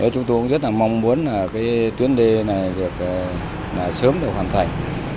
chúng tôi cũng rất là mong muốn là cái tuyến đê này được sớm được hoàn thành